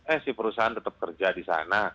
eh si perusahaan tetap kerja di sana